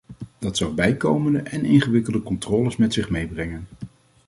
Dat zou bijkomende en ingewikkelde controles met zich meebrengen.